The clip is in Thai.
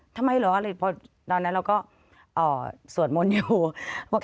ทำไมเหรอตอนนั้นเราก็สวดมนต์อยู่